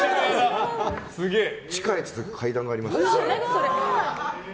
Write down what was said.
地下へ行く階段がありまして。